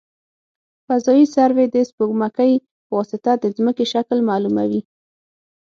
فضايي سروې د سپوږمکۍ په واسطه د ځمکې شکل معلوموي